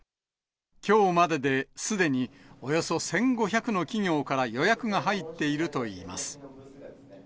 きょうまでですでに、およそ１５００の企業から予約が入っているといいます。